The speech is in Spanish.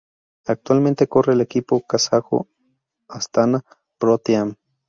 Actualmente corre en el equipo kazajo Astana Pro Team.